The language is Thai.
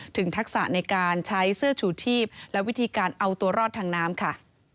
ทักษะในการใช้เสื้อชูชีพและวิธีการเอาตัวรอดทางน้ำค่ะ